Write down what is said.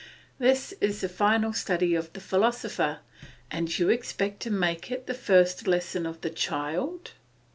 This is the final study of the philosopher, and you expect to make it the first lesson of the child!